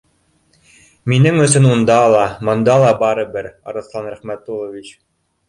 Минең өсөн унда ла, бында ла барыбер, Арыҫлан Рәхмәтуллович